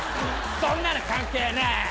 そんなの関係ねぇ！